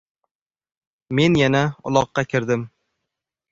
Men yana uloqqa kirdim.